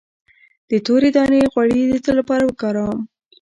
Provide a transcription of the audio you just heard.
د تورې دانې غوړي د څه لپاره وکاروم؟